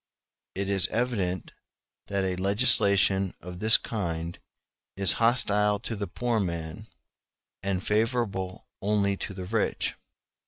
It is evident that a legislation of this kind is hostile to the poor man, and favorable only to the rich.